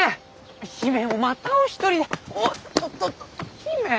姫またお一人でおっとっと姫！